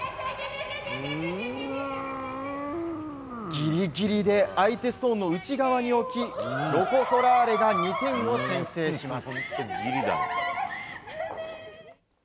ギリギリで相手ストーンの内側に置きロコ・ソラーレが２点を先制します。